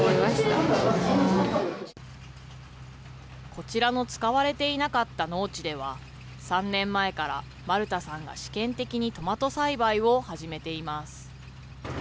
こちらの使われていなかった農地では、３年前から丸田さんが試験的にトマト栽培を始めています。